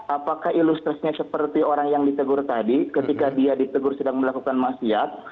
apakah ilustresnya seperti orang yang ditegur tadi ketika dia ditegur sedang melakukan masiat